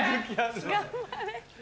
頑張れ。